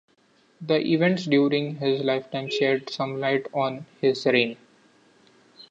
The events during his lifetime shed some light on his reign.